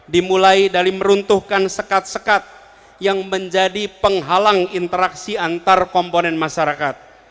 dimulai dari meruntuhkan sekat sekat yang menjadi penghalang interaksi antar komponen masyarakat